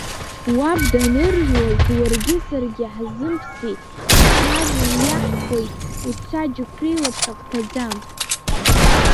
Уаб даныржуаз уаргьы саргьы ҳзымԥси, шьҭа аӡын иаҳфои, уца џьықәреи лапҟьак ҭаӡам?!